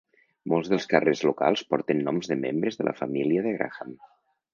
Molts dels carrers locals porten noms de membres de la família de Graham.